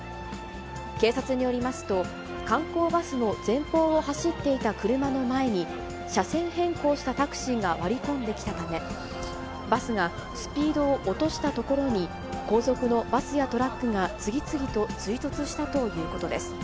警察によりますと、観光バスの前方を走っていた車の前に、車線変更したタクシーが割り込んできたため、バスがスピードを落としたところに後続のバスやトラックが次々と追突したということです。